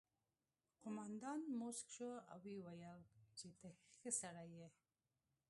قومندان موسک شو او وویل چې ته ښه سړی یې